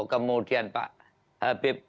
kemudian pak habib